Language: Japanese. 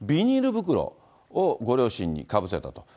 袋をご両親にかぶせたと。